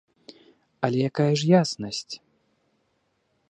Але якая ж яснасць?